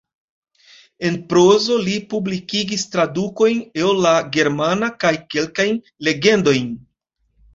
En prozo li publikigis tradukojn el la germana kaj kelkajn legendojn.